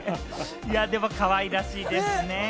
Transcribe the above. でもかわいらしいですね。